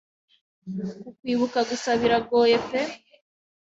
Kukwibuka gusa biragoye pe